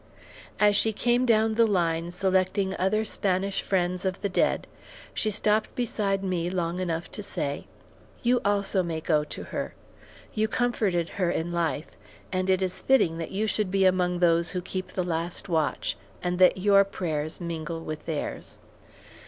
As she came down the line selecting other Spanish friends of the dead, she stopped beside me long enough to say: "You also may go to her. You comforted her in life, and it is fitting that you should be among those who keep the last watch, and that your prayers mingle with theirs."